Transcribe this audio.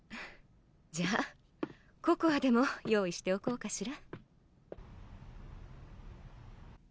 じゃあココアでも用意しておこうかしら。